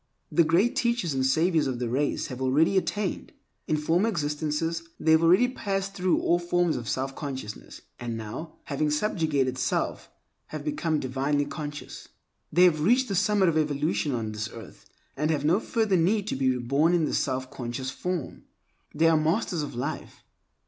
The Great Teachers and Saviors of the race have already attained. In former existences they have already passed through all forms of selfconsciousness, and now, having subjugated self, have become divinely conscious. They have reached the summit of evolution on this earth, and have no further need to be reborn in the self conscious form. They are Masters of Life.